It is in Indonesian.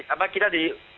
apa kita di